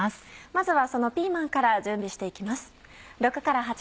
まずはそのピーマンから準備して行きます。